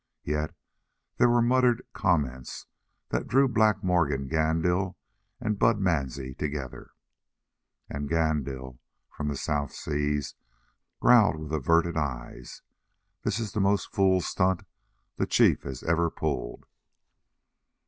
Yet there were muttered comments that drew Black Morgan Gandil and Bud Mansie together. And Gandil, from the South Seas, growled with averted eyes: "This is the most fool stunt the chief has ever pulled."